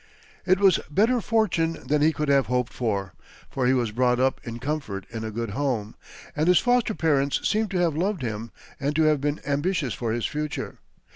It was better fortune than he could have hoped for, for he was brought up in comfort in a good home, and his foster parents seem to have loved him and to have been ambitious for his future.